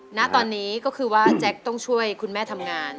ณตอนนี้ก็คือว่าแจ๊คต้องช่วยคุณแม่ทำงาน